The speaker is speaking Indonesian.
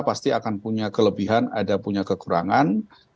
pasti akan punya kelebihan ada punya kekurangan